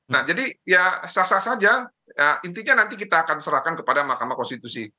nah jadi ya sah sah saja intinya nanti kita akan serahkan kepada mahkamah konstitusi